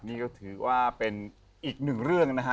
นี่ก็ถือว่าเป็นอีกหนึ่งเรื่องนะฮะ